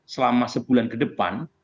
selama sebulan ke depan